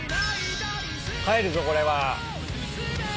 入るぞこれは。